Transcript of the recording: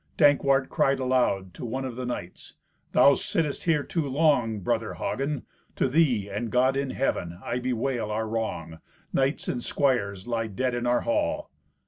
Dankwart cried aloud to one of the knights, "Thou sittest here too long, brother Hagen. To thee, and God in Heaven, I bewail our wrong. Knights and squires lie dead in our hall."